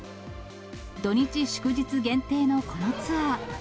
土日祝日限定のこのツアー。